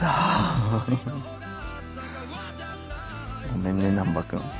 ごめんね難破君。